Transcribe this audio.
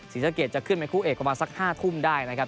ศรีสะเกดจะขึ้นเป็นคู่เอกประมาณสัก๕ทุ่มได้นะครับ